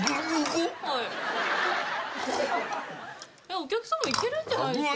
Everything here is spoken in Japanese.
お客さまもいけるんじゃないですか？